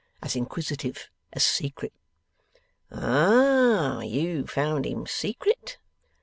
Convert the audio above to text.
As inquisitive as secret.' 'Ah! You found him secret?